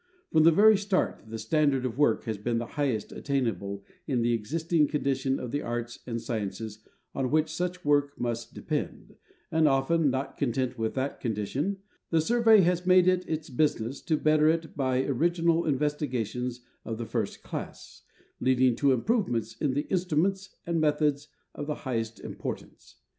From the very start the standard of work has been the highest attainable in the existing condition of the arts and sciences on which such work must depend, and often, not content with that condition, the Survey has made it its business to better it by orig inal investigations of the first class, leading to improvements in the instruments and methods of the highest importance.